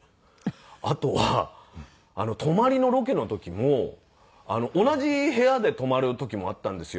あとは泊まりのロケの時も同じ部屋で泊まる時もあったんですよ